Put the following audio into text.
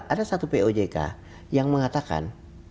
ada satu pojk yang mengatakan